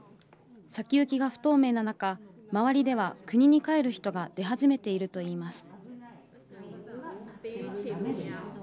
先行きが不透明な中、周りでは国に帰る人が出始めているといいます。